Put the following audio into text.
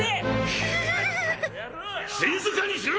ひい静かにしろ！